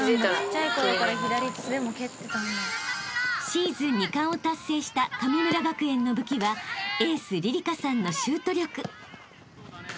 ［シーズン２冠を達成した神村学園の武器はエースりりかさんのシュート力］